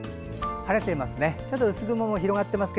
晴れていますね。